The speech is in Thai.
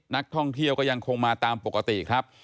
นักท่องเที่ยวก็ยังคงมาตามปกติครับ